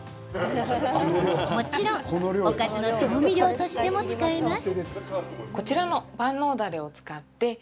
もちろんおかずの調味料としても使えます。